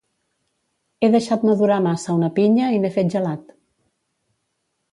He deixat madurar massa una pinya i n'he fet gelat